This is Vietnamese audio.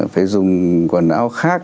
phải dùng quần áo khác